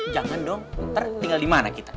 jangan dong ntar tinggal dimana kita